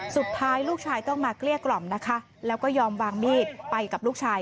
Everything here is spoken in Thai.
สุดท้ายลูกชายต้องมาเกลี้ยกล่อมนะคะแล้วก็ยอมวางมีดไปกับลูกชาย